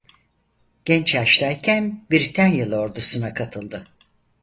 Genç yaştayken Britanyalı ordusuna katıldı.